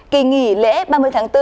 kỳ nghỉ lễ ba mươi tháng bốn